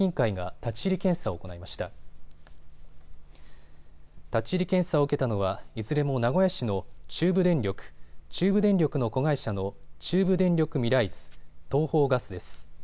立ち入り検査を受けたのはいずれも名古屋市の中部電力、中部電力の子会社の中部電力ミライズ、東邦ガスです。